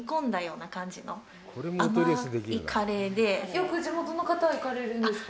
よく地元の方は行かれるんですか？